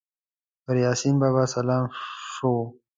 پر یاسین بابا سلام سو